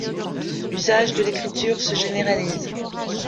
L’usage de l’écriture se généralise.